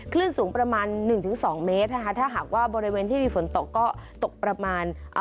คลื่นสูงประมาณ๑๒เมตรถ้าหากว่าบริเวณที่มีฝนตกก็ตกประมาณ